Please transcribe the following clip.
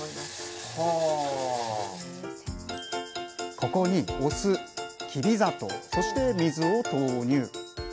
ここにお酢きび砂糖そして水を投入。